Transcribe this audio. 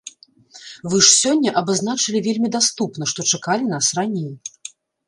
Вы ж сёння абазначылі вельмі даступна, што чакалі нас раней.